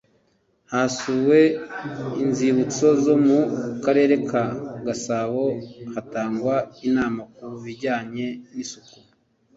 Hasuwe inzibutso zo mu Karere ka Gasabo hatangwa inama ku bijyanye n isuku